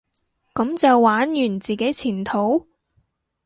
噉就玩完自己前途？